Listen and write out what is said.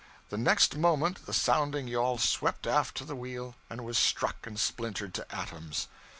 The next moment the sounding yawl swept aft to the wheel and was struck and splintered to atoms.